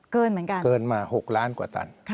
เหมือนกันเกินมา๖ล้านกว่าตัน